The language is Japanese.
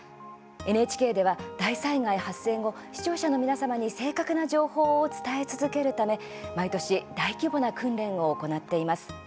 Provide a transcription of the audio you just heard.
ＮＨＫでは、大災害発生後視聴者の皆様に正確な情報を伝え続けるため毎年、大規模な訓練を行っています。